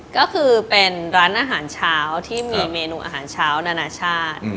ก็คือเป็นร้านอาหารเช้าที่มีเมนูอาหารเช้านานาชาติ